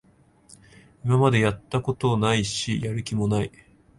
今までやったことないし、やる気もない